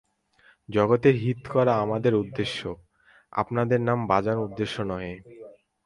জগতের হিত করা আমাদের উদ্দেশ্য, আপনাদের নাম বাজান উদ্দেশ্য নহে।